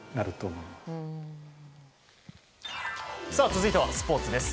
続いてはスポーツです。